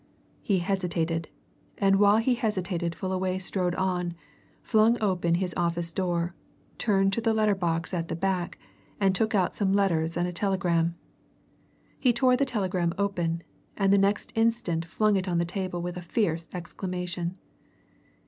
He hesitated and while he hesitated Fullaway strode on, flung open his office door, turned to the letter box at the back, and took out some letters and a telegram. He tore the telegram open, and the next instant flung it on the table with a fierce exclamation.